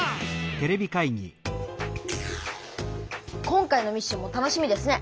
今回のミッションも楽しみですね。